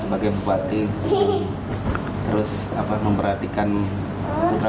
batu ular cat jebana